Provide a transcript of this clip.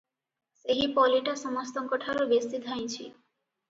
ସେହି ପଲିଟା ସମସ୍ତଙ୍କଠାରୁ ବେଶି ଧାଇଁଛି ।